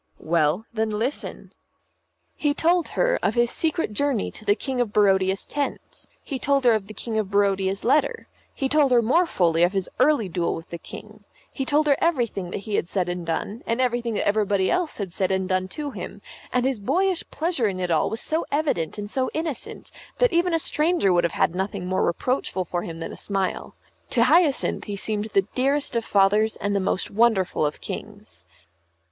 "Well, then, listen." He told her of his secret journey to the King of Barodia's tent; he told her of the King of Barodia's letter; he told her more fully of his early duel with the King; he told her everything that he had said and done; and everything that everybody else had said and done to him; and his boyish pleasure in it all was so evident and so innocent, that even a stranger would have had nothing more reproachful for him than a smile. To Hyacinth he seemed the dearest of fathers and the most wonderful of kings.